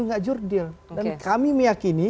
nggak jurdil dan kami meyakini